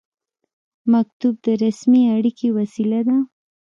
مکتوب د رسمي اړیکې وسیله ده